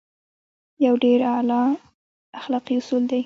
يو ډېر اعلی اخلاقي اصول دی.